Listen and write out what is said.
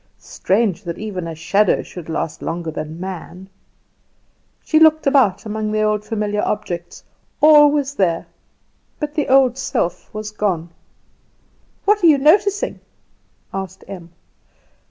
Strange that even a shadow should last longer than a man! She looked about among the old familiar objects; all was there, but the old self was gone. "What are you noticing?" asked Em.